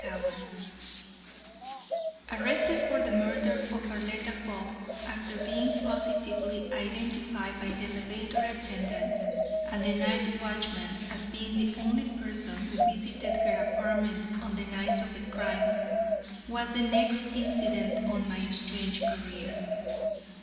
CHAPTER XXXIII Arrested for the murder of Arletta Fogg, after being positively identified by the elevator attendant and the night watchman as being the only person who visited her apartments on the night of the crime, was the next incident of my strange career.